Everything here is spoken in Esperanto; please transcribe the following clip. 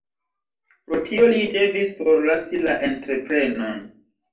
Pro tio li devis forlasi la entreprenon.